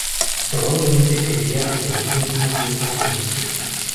Probablemente, sería en origen, una diosa fenicia.